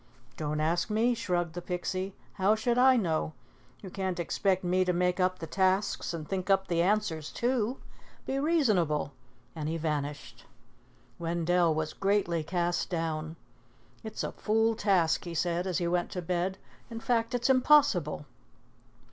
"Don't ask me," shrugged the Pixie. "How should I know? You can't expect me to make up the tasks and think up the answers too. Be reasonable." And he vanished. Wendell was greatly cast down. "It's a fool task," he said as he went to bed. "In fact, it's impossible."